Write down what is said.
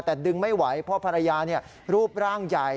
แต่ดึงไม่ไหวเพราะภรรยารูปร่างใหญ่